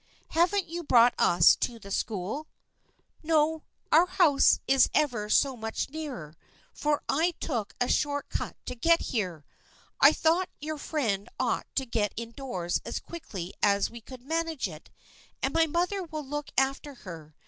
•" Haven't you brought us to the school ?"" No, our house is ever so much nearer, for I took a short cut to get here. I thought your friend ought to get indoors as quickly as we could manage it, and my mother will look after her.